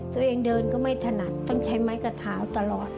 ตัวเองเดินก็ไม่ถนัดต้องใช้ไม้กระเท้าตลอด